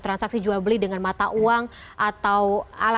transaksi jual beli dengan mata uang atau alat transaksi jual beli